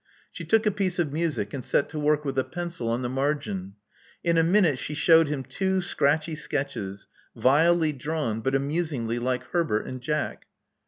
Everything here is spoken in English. " She took a piece of music, and set to work with a pencil on the margin. In a minute she shewed him two scratchy sketches, vilely drawn, but amusingly like Herbert and Jack.